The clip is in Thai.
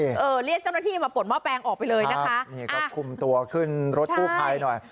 เออเรียกเจ้าหน้าที่มาปลดหม้อแปลงออกไปเลยนะคะนี่ก็คุมตัวขึ้นรถกู้ภัยหน่อย